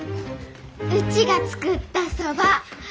うちが作ったそば。